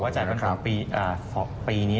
ออกมาจ่ายปรันผลปี๒ปีนี้